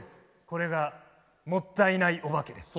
これがもったいないお化けです。